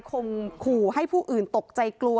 คมขู่ให้ผู้อื่นตกใจกลัว